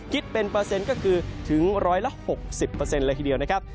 คิดเป็นเปอร์เซ็นต์ก็คือถึง๑๖๐เลยทีเดียวนะครับ